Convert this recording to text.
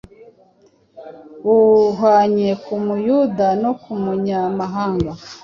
buhwanye ku muyuda no ku munyamahanga,